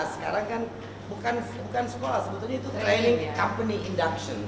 sekarang kan bukan sekolah sebetulnya itu training company induction